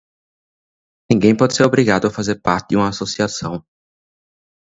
Ninguém pode ser obrigado a fazer parte de uma associação.